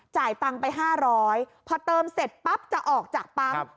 จ่ายตังค์ไป๕๐๐พอเติมเสร็จปั๊บจะออกจากปั๊ม